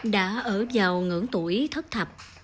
đã ở giàu ngưỡng tuổi thất thập